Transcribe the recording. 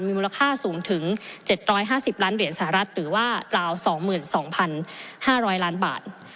มีมูลค่าสูงถึง๗๕๐ล้านเหรียญสหรัฐหรือว่าราว๒๒๕๐๐ล้านบาท